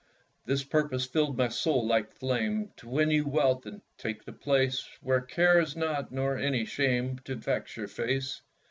This purpose filled my soul like flame: To win you wealth and take the place Where care is not, nor any shame To vex your face.